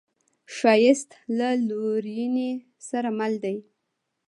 ښایست له لورینې سره مل دی